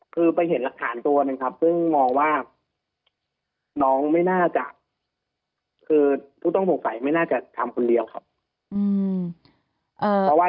คือไปเห็นหลักฐานตัวหนึ่งครับซึ่งมองว่าน้องไม่น่าจะคือผู้ต้องสงสัยไม่น่าจะทำคนเดียวครับ